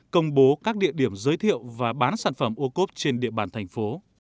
công bố các địa điểm giới thiệu và bán sản phẩm ô cốp trên địa bàn thành phố